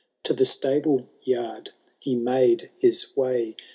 To the stable yard he made his way.